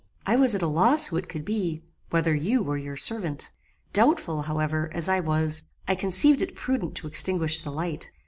I was at a loss who it could be, whether you or your servant. Doubtful, however, as I was, I conceived it prudent to extinguish the light.